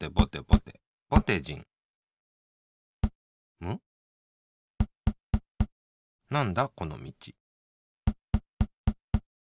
むっなんだこのみち。